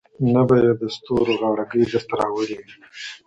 نه به یې د ستورو غاړګۍ درته راوړې وي